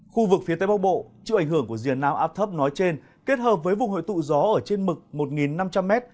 khu vực phía tây bắc bộ chịu ảnh hưởng của rìa nam áp thấp nói trên kết hợp với vùng hội tụ gió ở trên mực một năm trăm linh m